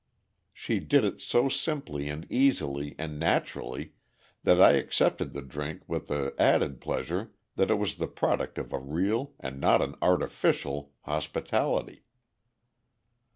She did it so simply and easily and naturally that I accepted the drink with the added pleasure that it was the product of a real, and not an artificial, hospitality.